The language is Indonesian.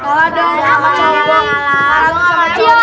kalah dong kalah kalah